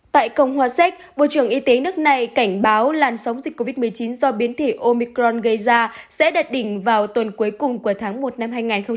tại cộng hòa séc bộ trưởng y tế nước này cảnh báo làn sóng dịch covid một mươi chín do biến thể omicron gây ra sẽ đạt đỉnh vào tuần cuối cùng của tháng một năm hai nghìn hai mươi